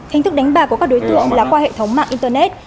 hình thức đánh bạc của các đối tượng là qua hệ thống mạng internet